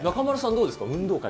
どうですか。